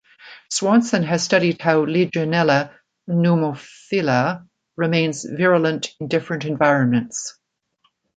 Swanson has studied how "Legionella pneumophila" remains virulent in different environments.